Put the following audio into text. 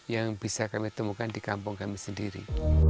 yang bisa kami temukan di kampung kami sendiri